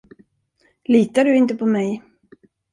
Litar du inte på mig?